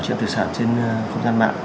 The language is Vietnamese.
trên thực sản trên không gian mạng